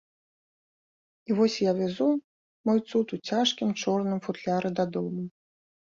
І вось я вязу мой цуд у цяжкім чорным футляры дадому.